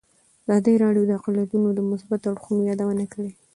ازادي راډیو د اقلیتونه د مثبتو اړخونو یادونه کړې.